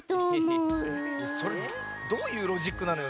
それどういうロジックなのよ